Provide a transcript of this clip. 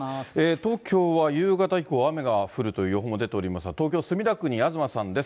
東京は夕方以降、雨が降るという予報も出てますが、東京・墨田区に東さんです。